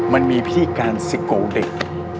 มันมีพิธีการสิโก้เด็ก